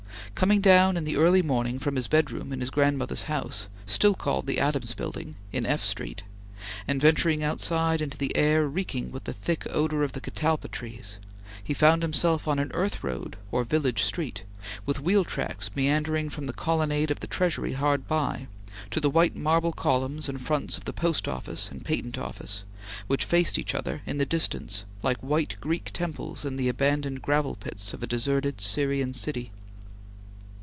Coming down in the early morning from his bedroom in his grandmother's house still called the Adams Building in F Street and venturing outside into the air reeking with the thick odor of the catalpa trees, he found himself on an earth road, or village street, with wheel tracks meandering from the colonnade of the Treasury hard by, to the white marble columns and fronts of the Post Office and Patent Office which faced each other in the distance, like white Greek temples in the abandoned gravel pits of a deserted Syrian city.